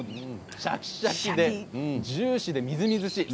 シャキシャキでジューシーでみずみずしい。